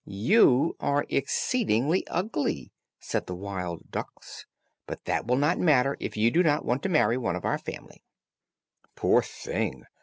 "You are exceedingly ugly," said the wild ducks, "but that will not matter if you do not want to marry one of our family." Poor thing!